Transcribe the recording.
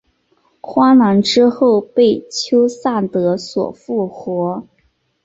荒狼之后被狄萨德所复活。